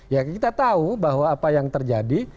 ya kita tahu bahwa apa yang terjadi